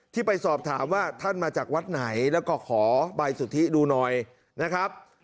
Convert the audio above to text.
ที่ไปสอบถามว่าท่านมาจากวัดไหนแล้วก็ขอใบสุทธิดูหน่อยนะครับ